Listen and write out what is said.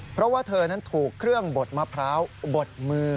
เพราะว่าเธอนั้นถูกเครื่องบดมะพร้าวบดมือ